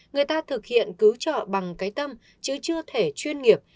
người ta thực hiện cứu trợ bằng cái tâm chứ chưa thể chuyên nghiệp